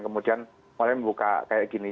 kemudian mulai membuka kayak gini